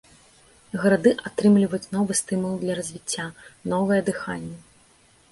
Гарады атрымліваюць новы стымул для развіцця, новае дыханне.